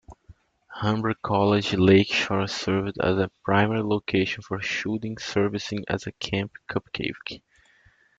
Humber College Lakeshore served as a primary location for shooting, servicing as Camp Cupcake.